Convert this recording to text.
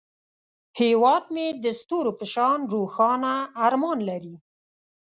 هیواد مې د ستورو په شان روښانه ارمان لري